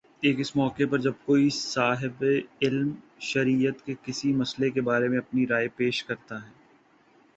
ایک اس موقع پر جب کوئی صاحبِ علم شریعت کے کسی مئلے کے بارے میں اپنی رائے پیش کرتا ہے